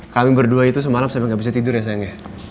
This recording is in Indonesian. kami berdua itu semalam sampai nggak bisa tidur ya sayangnya